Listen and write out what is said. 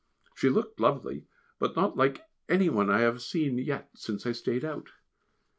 She looked lovely, but not like any one I have seen yet since I stayed out.